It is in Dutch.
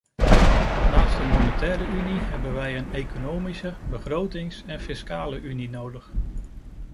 Naast de monetaire unie hebben we een economische, begrotings- en fiscale unie nodig.